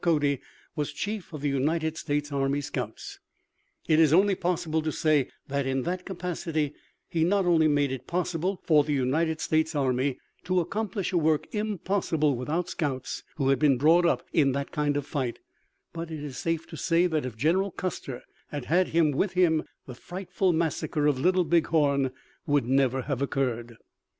Cody, was chief of the United States Army Scouts. It is only possible to say that in that capacity he not only made it possible for the United States army to accomplish a work impossible without scouts who had been brought up in that kind of fight, but it is safe to say that if General Custer had had him with him, the frightful massacre of Little Big Horn would never have occurred.